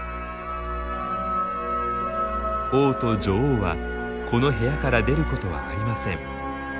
王と女王はこの部屋から出ることはありません。